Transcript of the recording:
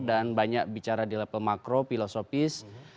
dan banyak bicara di level makro filosofis